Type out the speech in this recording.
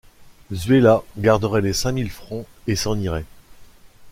Zuela garderait les cinq mille francs, et s’en irait.